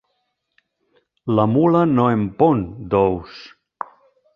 La mula no en pon, d'ous.